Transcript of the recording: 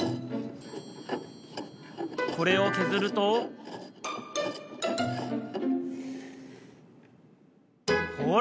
これをけずるとほら！